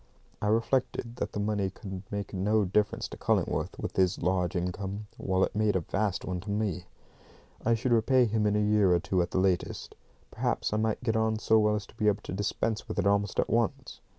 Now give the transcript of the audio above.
I reflected that the money could make no difference to Cullingworth, with his large income, while it made a vast one to me. I should repay him in a year or two at the latest. Perhaps I might get on so well as to be able to dispense with it almost at once.